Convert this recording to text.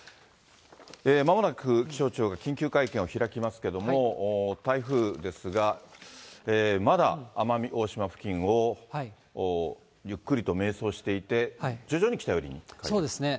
まもなく気象庁が緊急会見を開きますけれども、台風ですが、まだ奄美大島付近をゆっくりと迷走していて、そうですね。